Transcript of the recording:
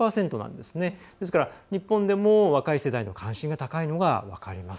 ですから日本でも若い世代に関心が高いのが分かります。